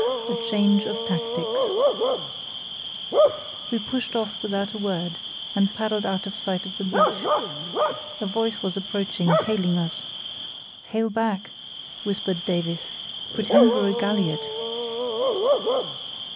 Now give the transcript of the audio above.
A Change of Tactics We pushed off without a word, and paddled out of sight of the beach. A voice was approaching, hailing us. "Hail back," whispered Davies; "pretend we're a galliot."